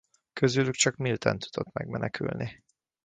Közülük csak Milten tudott megmenekülni.